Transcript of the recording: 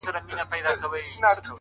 زه خو يو خوار او يو بې وسه انسان;